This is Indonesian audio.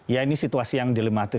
ya ini situasi yang dilematis